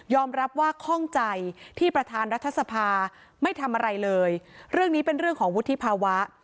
รับว่าข้องใจที่ประธานรัฐสภาไม่ทำอะไรเลยเรื่องนี้เป็นเรื่องของวุฒิภาวะ